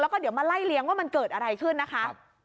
แล้วก็เดี๋ยวมาไล่เลี้ยงว่ามันเกิดอะไรขึ้นนะคะ